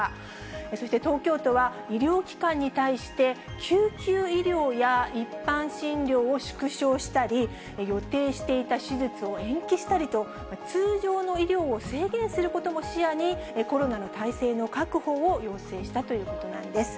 そして東京都は、医療機関に対して救急医療や一般診療を縮小したり、予定していた手術を延期したりと、通常の医療を制限することも視野に、コロナの体制の確保を要請したということなんです。